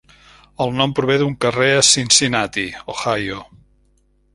El nom prové d'un carrer a Cincinnati, Ohio.